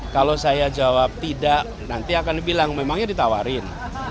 kalau saya jawab tidak nanti akan dibilang memangnya ditawarin